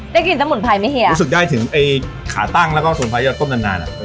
ได้กินสมุนไพรไหมเฮียรู้สึกได้ถึงไอ้ขาตั้งแล้วก็สมุนไพรที่เราต้มนานนานอ่ะ